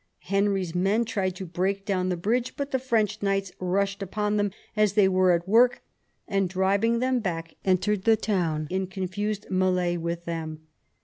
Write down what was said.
Henry's men tried to break down the bridge, but the French knights rushed upon them as they were at work, and, driving them back, entered the town in con fused meUe with them.